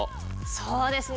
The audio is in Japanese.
そうですね。